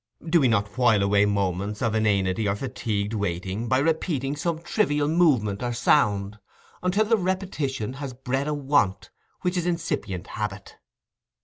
Do we not wile away moments of inanity or fatigued waiting by repeating some trivial movement or sound, until the repetition has bred a want, which is incipient habit?